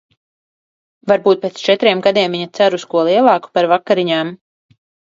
Varbūt pēc četriem gadiem viņa cer uz ko lielāku par vakariņām?